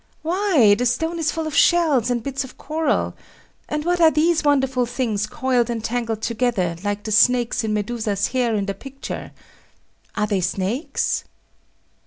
Why, the stone is full of shells, and bits of coral; and what are these wonderful things coiled and tangled together, like the snakes in Medusa's hair in the picture? Are they snakes?